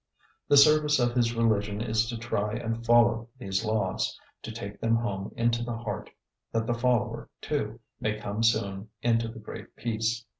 The service of his religion is to try and follow these laws, to take them home into the heart, that the follower, too, may come soon into the Great Peace.